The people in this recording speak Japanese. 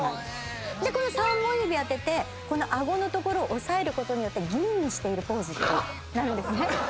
でこの３本指当てて顎の所を押さえることによって吟味しているポーズになるんですね。